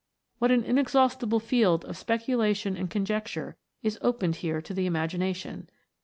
What an inexhaustible field of speculation and conjecture is opened here to the imagination